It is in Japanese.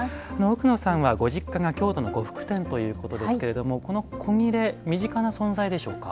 奥野さんはご実家が京都の呉服店ということですけれどもこの古裂身近な存在でしょうか？